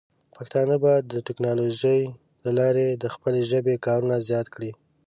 پښتانه به د ټیکنالوجۍ له لارې د خپلې ژبې کارونه زیات کړي.